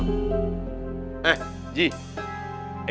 ente gak pilih ya